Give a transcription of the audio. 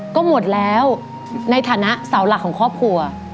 ก็หมดแล้วในฐานะเสาหลักของครอบครัว